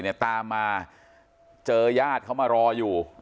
ตามมาเจอญาติเขามารออยู่